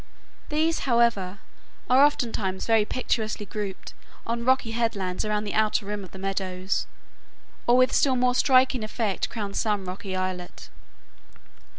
These, however, are oftentimes very picturesquely grouped on rocky headlands around the outer rim of the meadows, or with still more striking effect crown some rocky islet.